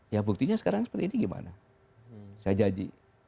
ya buktinya sekarang seperti ini gimana saya janji